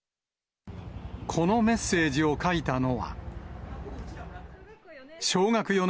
このメッセージを書いたのは。